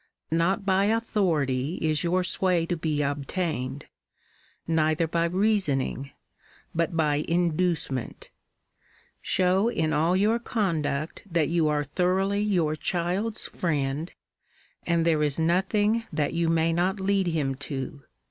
Not by authority is your sway to be obtained ; neither by reasoning ; but by inducement Show in all your conduct that you are thoroughly your child's friend, „ i and there is nothing that you may not lead him to.